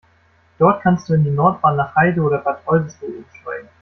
Dort kannst du in die Nordbahn nach Heide oder Bad Oldesloe umsteigen.